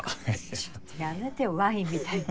ちょっとやめてよワインみたいに。